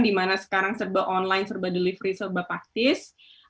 dimana sekarang serba online serba delivery serba praktis